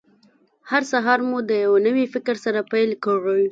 هر سهار مو د یوه نوي فکر سره پیل کړئ.